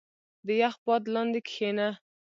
• د یخ باد لاندې کښېنه.